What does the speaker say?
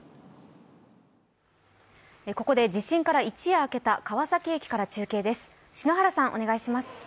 ここで地震から一夜明けた川崎駅から中継です。